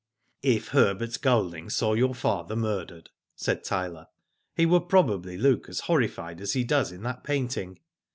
If Herbert Golding saw your father murdered/' said Tyler, "he would probably look as horrified as he does in that painting.